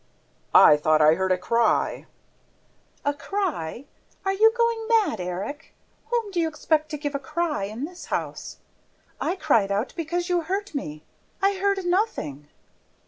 "I thought I heard a cry." "A cry! Are you going mad, Erik? Whom do you expect to give a cry, in this house? ... I cried out, because you hurt me! I heard nothing."